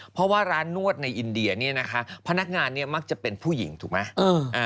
เพราะว่าร้านนวดในอินเดียพนักงานมักจะเป็นผู้หญิงถูกไหม